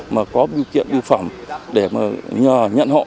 mà có biểu kiện biểu phẩm để mà nhờ nhận hộ